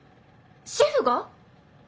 シェフが？